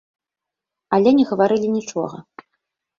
Але не гаварылі нічога.